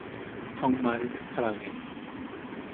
정말 사랑해!